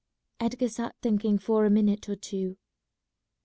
Edgar sat thinking for a minute or two.